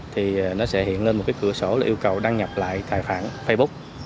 thì nó sẽ hiện lên một cửa sổ yêu cầu đăng nhập lại tài khoản facebook